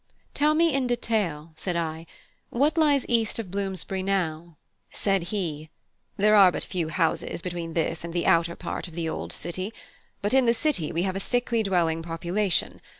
"Tell me in detail," said I, "what lies east of Bloomsbury now?" Said he: "There are but few houses between this and the outer part of the old city; but in the city we have a thickly dwelling population.